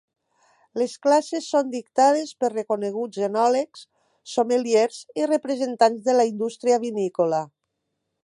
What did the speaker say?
Les classes són dictades per reconeguts enòlegs, sommeliers i representants de la indústria vinícola.